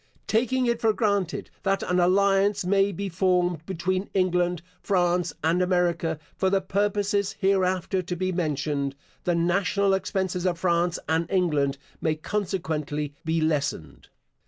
Taking it for granted that an alliance may be formed between England, France, and America for the purposes hereafter to be mentioned, the national expenses of France and England may consequently be lessened.